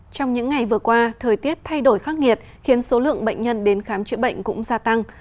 trong những ngày vừa qua thời tiết thay đổi khắc nghiệt khiến số lượng bệnh nhân đến khám chữa bệnh cũng gia tăng